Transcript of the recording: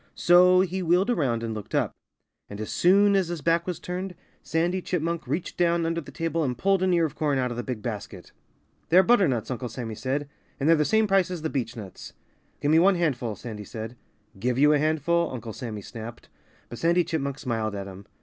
So he wheeled around and looked up. And as soon as his back was turned, Sandy Chipmunk reached down under the table and pulled an ear of corn out of the big basket. "They're butternuts," Uncle Sammy said. "And they're the same price as the beechnuts." "Give me one handful," Sandy said. "Give you a handful " Uncle Sammy snapped. But Sandy Chipmunk smiled at him.